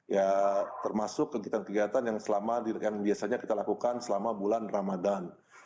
ya termasuk kegiatan kegiatan yang selama yang biasanya kita lakukan selama bulan ramadan